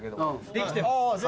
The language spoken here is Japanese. できてます。